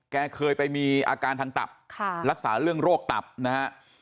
แกเคยไปมีอาการทางตับรักษาเรื่องโรคตับนะฮะ